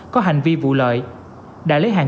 có hành vi vụ lợi đã lấy hàng